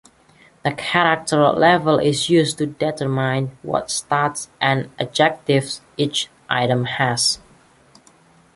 The character level is used to determine what stats and adjectives each item has.